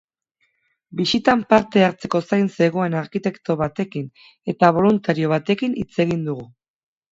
Bisitan parte hartzeko zain zegoen arkitekto batekin eta boluntario batekin hitz egin dugu.